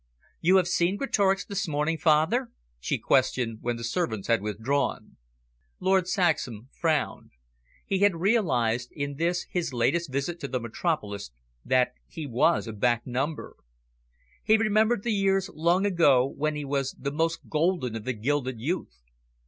"You have seen Greatorex this morning, father?" she questioned when the servants had withdrawn. Lord Saxham frowned. He had realised, in this his latest visit to the Metropolis, that he was a back number. He remembered the years long ago when he was the most golden of the gilded youth.